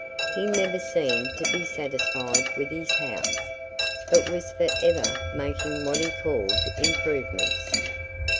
He never seemed to be satisfied with his house, but was forever making what he called "improvements."